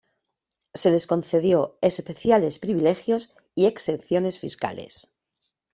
Se les concedió especiales privilegios y exenciones fiscales.